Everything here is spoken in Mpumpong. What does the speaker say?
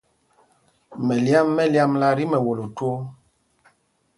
Mɛlyam mɛ lyāmla tí mɛwolo twóó.